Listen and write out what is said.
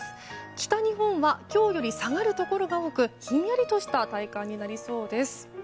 北日本は今日より下がるところが多くひんやりとした体感になりそうです。